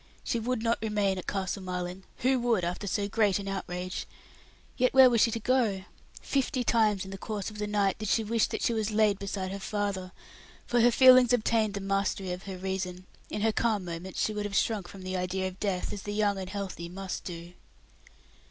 She would not remain at Castle Marling who would, after so great an outrage? Yet where was she to go? Fifty times in the course of the night did she wish that she was laid beside her father, for her feelings obtained the mastery of her reason; in her calm moments she would have shrunk from the idea of death as the young and healthy must do.